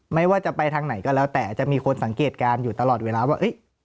ไม่ว่าจะไปทางไหนก็แล้วแต่จะมีคนสังเกตการณ์อยู่ตลอดเวลาว่า